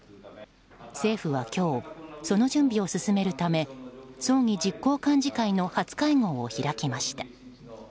政府は今日その準備を進めるため葬儀実行幹事会の初会合を開きました。